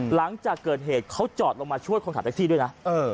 หลังจากเกิดเหตุเขาจอดลงมาช่วยคนขับแท็กซี่ด้วยนะ